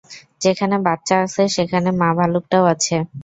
যেখানে বাচ্চা আছে, সেখানে মা ভালুকটাও আছে।